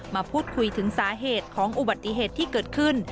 มาพูดคุยถึงสาเหตุของอุบัติเหตุที่เกิดขึ้น